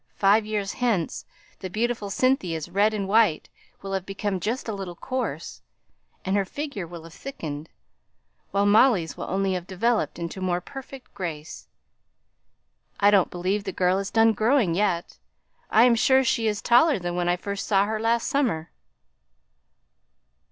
Five years hence the beautiful Cynthia's red and white will have become just a little coarse, and her figure will have thickened, while Molly's will only have developed into more perfect grace. I don't believe the girl has done growing yet; I'm sure she's taller than when I first saw her last summer."